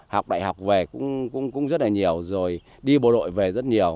học đại học về cũng rất là nhiều rồi đi bộ đội về rất nhiều